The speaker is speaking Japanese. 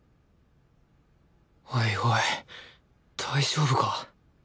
おいおい大丈夫か？